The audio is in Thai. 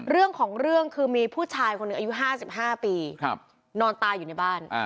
เรื่องของเรื่องคือมีผู้ชายคนหนึ่งอายุ๕๕ปีนอนตายอยู่ในบ้าน